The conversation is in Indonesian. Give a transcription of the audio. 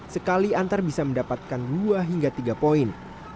sekali antar bisa mendapatkan dua hingga tiga poin